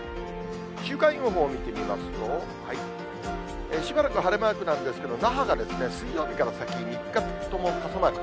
週間予報を見てみますと、しばらく晴れマークなんですけれども、那覇が水曜日から先３日とも傘マーク。